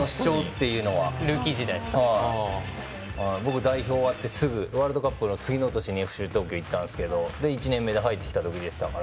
僕、代表が終わってすぐワールドカップの次の年ＦＣ東京に行って１年目で入ってきた時でしたから。